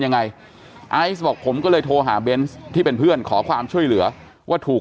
ยังไงไอซ์บอกผมก็เลยโทรหาเบนส์ที่เป็นเพื่อนขอความช่วยเหลือว่าถูก